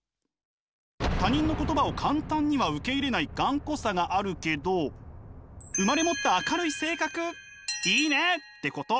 他人の言葉を簡単には受け入れない頑固さがあるけど生まれ持った明るい性格いいね！ってこと。